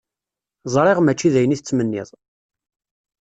Ẓriɣ mačči d ayen i tettmenniḍ.